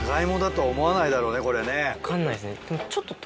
分かんないですねでも。